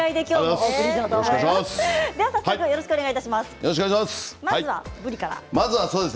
早速よろしくお願いします。